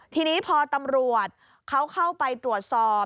ทีนี้พอตำรวจเขาเข้าไปตรวจสอบ